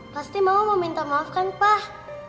pasti mama mau minta maaf kan pak